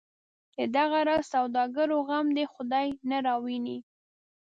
د دغه راز سوداګرو غم دی خدای نه راوویني.